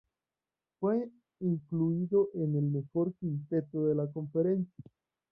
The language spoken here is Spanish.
Fue incluido en el mejor quinteto de la conferencia.